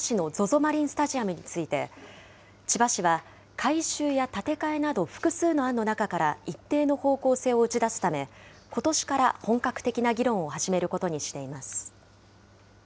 マリンスタジアムについて、千葉市は、改修や建て替えなど複数の案の中から一定の方向性を打ち出すため、ことしから本格的な議論を始めることにしています。